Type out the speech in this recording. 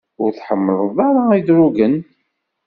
Ur tḥemmleḍ ara idrugen?